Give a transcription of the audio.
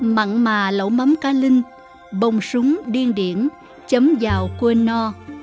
mặn mà lẩu mắm cá linh bông súng điên điển chấm vào quê no